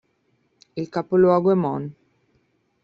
Il capoluogo è Mon.